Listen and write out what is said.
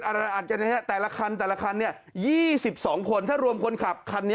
เพราะอัดจากนังนี้แต่ละคันเนี่ย๒๒คนถ้ารวมคนขับคันนี้